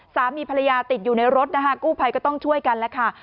สามีภรรยาติดอยู่ในรถนะคะกู้ภัยก็ต้องช่วยกันแล้วค่ะ